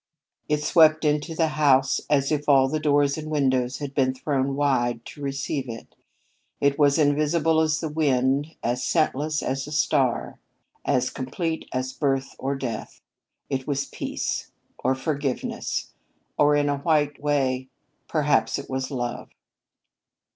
It swept into the house as if all the doors and windows had been thrown wide to receive it. It was as invisible as the wind, as scentless as a star, as complete as birth or death. It was peace or forgiveness or, in a white way, perhaps it was love.